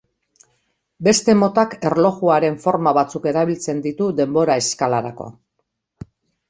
Beste motak erlojuaren forma batzuk erabiltzen ditu denbora-eskalarako.